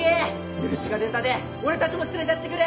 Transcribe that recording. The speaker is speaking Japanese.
許しが出たで俺たちも連れてってくれ。